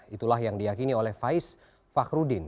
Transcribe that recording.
itulah yang diakini oleh faiz fakhrudin